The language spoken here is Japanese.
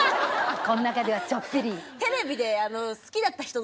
この中ではちょっぴり。